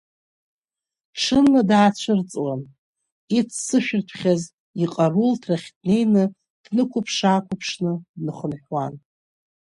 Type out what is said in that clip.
Ҽынла даацәырҵуан, иццышәыртәхьаз иҟарулрҭахь днеины, днықәыԥш-аақәыԥшны днахынҳәуан.